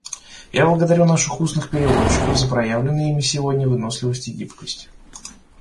Я благодарю наших устных переводчиков за проявленные ими сегодня выносливость и гибкость.